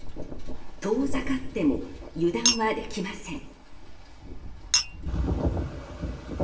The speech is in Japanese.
遠ざかっても油断はできません。